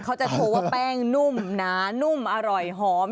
เขาจะโชว์ว่าแป้งนุ่มหนานุ่มอร่อยหอม